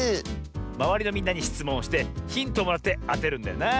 まわりのみんなにしつもんをしてヒントをもらってあてるんだよな。